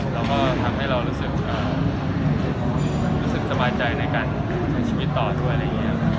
เราก็ทำให้เรารู้สึกสบายใจในการใช้ชีวิตต่อด้วย